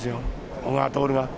小川徹が。